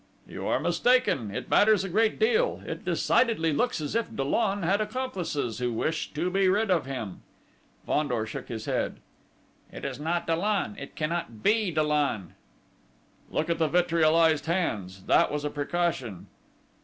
"You are mistaken: it matters a great deal! It decidedly looks as if Dollon had accomplices, who wished to be rid of him." Fandor shook his head. "It is not Dollon! It cannot be Dollon!" "Look at the vitriolised hands that was a precaution."